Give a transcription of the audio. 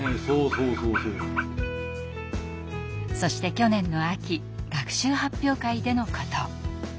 そして去年の秋学習発表会でのこと。